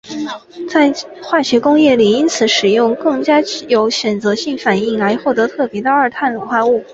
在化学工业里因此使用更加有选择性的反应来获得特别的二碳卤化物。